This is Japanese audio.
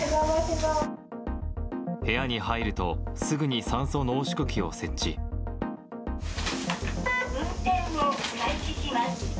部屋に入ると、すぐに酸素濃縮器を設置。